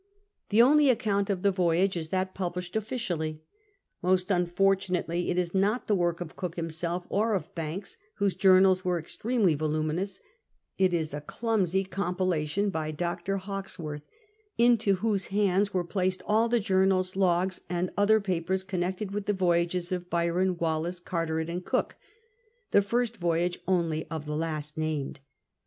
The only account of the voyage is that published officially. Most unfortunately it is not the work of Cook himself, or of Hanks, whose journals were extremely voluminous ; it is a clumsy compilation by Dr. Hawkes worth, into whose hands were placed all the journals, logs, and other papers connected with the voyages of Byron, Wallis, Carteret, and Cook — the first voyage only of the last nang^ed.